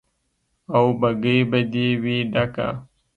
او بګۍ به دې وي ډکه